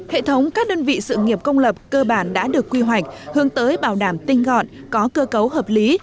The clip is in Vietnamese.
hệ thống các đơn vị sự nghiệp công lập cơ bản đã được quy hoạch hướng tới bảo đảm tinh gọn có cơ cấu hợp lý